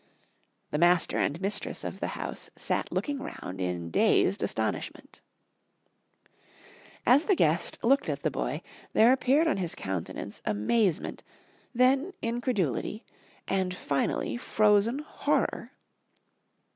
The master and mistress of the house sat looking round in dazed astonishment. As the guest looked at the boy there appeared on his countenance amazement, then incredulity, and finally frozen horror.